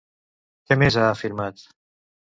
Què més ha afirmat?